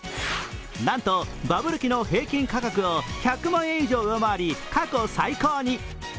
なんとバブル期の平均を１００万円以上上回り過去最高に。